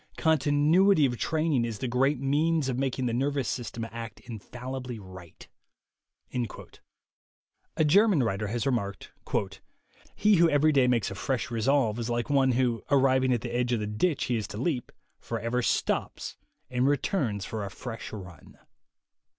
Continuity of training is the great means of making the nervous system act infallibly right." A German writer has remarked : "He who every day makes a fresh resolve is like one who, arriving at the edge of the ditch he is to leap, forever stops and returns for a fresh run."